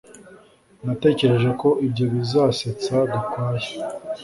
Natekereje ko ibyo bizasetsa Gakwaya